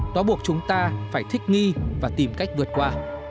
đó buộc chúng ta phải thích nghi và tìm cách vượt qua